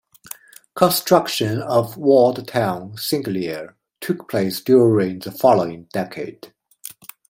Construction of walled town Senglea took place during the following decade.